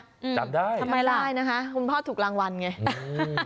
จำได้ทำไมล่ะทำไมล่ะได้นะคะคุณพ่อถูกรางวัลไง